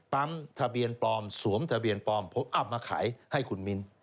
ทะเบียนปลอมสวมทะเบียนปลอมผมอัพมาขายให้คุณมิ้น